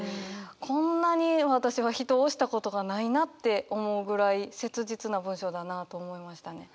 こんなに私は人を推したことがないなって思うぐらい切実な文章だなと思いましたね。